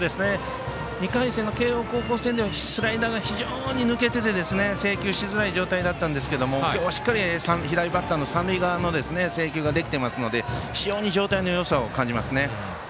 ２回戦の慶応高校戦ではスライダーが非常に抜けて制球しづらい状態だったんですが今日はしっかり左バッターの三塁側の制球ができていますので非常に状態のよさを感じます。